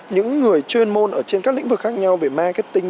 những người chuyên môn ở trên các lĩnh vực khác nhau về marketing